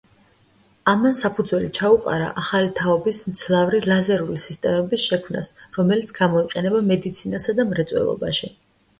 ამან საფუძველი ჩაუყარა ახალი თაობის მძლავრი ლაზერული სისტემების შექმნას, რომელიც გამოიყენება მედიცინასა და მრეწველობაში.